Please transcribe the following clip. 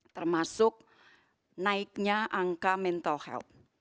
termasuk naiknya angka mental health